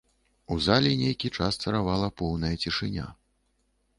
У залі нейкі час царавала поўная цішыня.